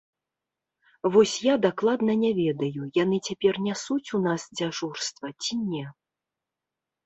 Вось я дакладна не ведаю, яны цяпер нясуць у нас дзяжурства, ці не.